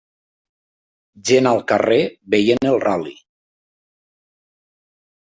Gent al carrer veient el ral·li